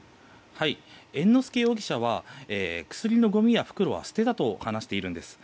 猿之助容疑者は薬のごみや袋は捨てたと話しているんです。